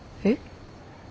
えっ？